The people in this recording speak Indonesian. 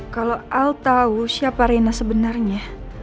kalau al tahu siapa reina sebenarnya